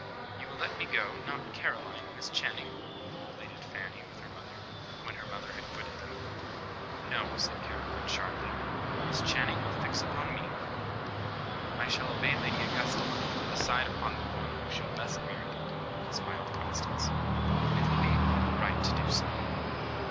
"You will let me go not Caroline, Miss Channing?" pleaded Fanny, when her mother had quitted them. "No," said Caroline, sharply; "Miss Channing will fix upon me." "I shall obey Lady Augusta, and decide upon the one who shall best merit it," smiled Constance. "It will be only right to do so."